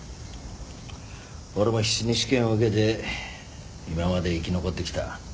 俺も必死に試験を受けて今まで生き残ってきた。